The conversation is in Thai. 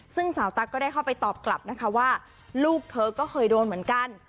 ซึ่งสาวตั๊กก็ได้เข้าไปตอบกลับนะคะว่าลูกเธอก็เคยโดนเหมือนกัน